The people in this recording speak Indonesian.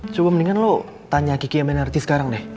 coba mendingan lo tanya kiki aminarti sekarang deh